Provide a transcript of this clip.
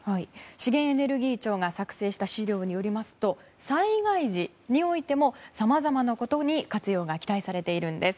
資源エネルギー庁が作成した資料によりますと災害時においてもさまざまなことに活用が期待されているんです。